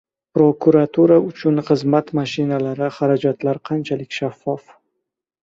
Prokuratura uchun xizmat mashinalari: xarajatlar qanchalik shaffof?